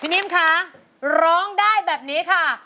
นิ่มคะร้องได้แบบนี้ค่ะ